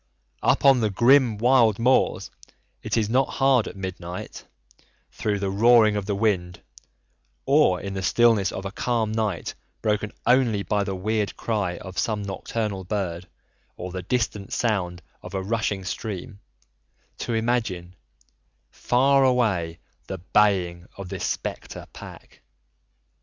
Up on the grim wild moors it is not hard at midnight, through the roaring of the wind, or in the stillness of a calm night broken only by the weird cry of some nocturnal bird or the distant sound of a rushing stream, to imagine, far away, the baying of this spectre pack.